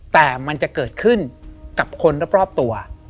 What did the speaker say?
แต่มันจะเกิดขึ้นกับคนรอบตัว